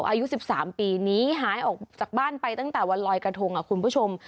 อายุ๑๓ปีหนีหายออกจากบ้านไปตั้งแต่วันลอยกระทงคุณผู้ชม